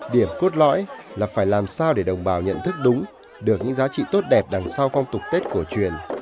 điểm cốt lõi là phải làm sao để đồng bào nhận thức đúng được những giá trị tốt đẹp đằng sau phong tục tết cổ truyền